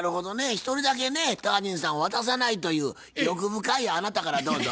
一人だけねタージンさんは渡さないという欲深いあなたからどうぞ。